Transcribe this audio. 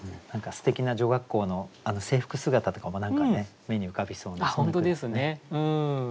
何かすてきな女学校の制服姿とかも目に浮かびそうですね。